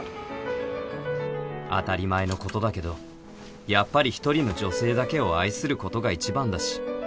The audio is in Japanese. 当たり前のことだけどやっぱり１人の女性だけを愛することが一番だし